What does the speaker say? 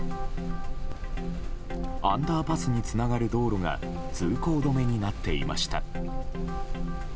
アンダーパスにつながる道路が通行止めになっていました。